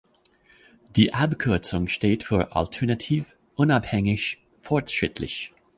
Die Abkürzung steht für "Alternativ, Unabhängig, Fortschrittlich".